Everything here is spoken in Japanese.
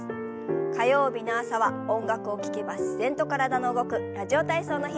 火曜日の朝は音楽を聞けば自然と体の動く「ラジオ体操」の日。